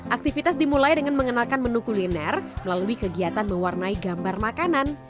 aktivitas dimulai dengan mengenalkan menu kuliner melalui kegiatan mewarnai gambar makanan